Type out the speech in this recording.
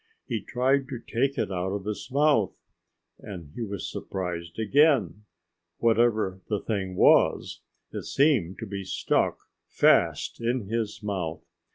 He tried to take it out of his mouth, and he was surprised again. Whatever the thing was, it seemed to be stuck fast in his mouth.